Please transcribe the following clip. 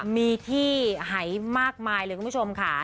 มีที่หายมากมายเลยคุณผู้ชมค่ะ